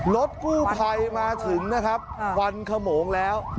รถกู้ภัยมาถึงนะครับควันขโมงแล้ว